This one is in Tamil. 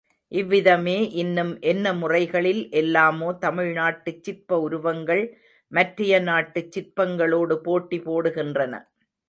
இவ்விதமே இன்னும் என்ன முறைகளில் எல்லாமோ தமிழ்நாட்டுச் சிற்ப உருவங்கள் மற்றைய நாட்டுச் சிற்பங்களோடு போட்டி போடுகின்றன.